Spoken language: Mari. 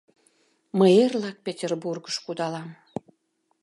Мый эрлак Петербургыш кудалам.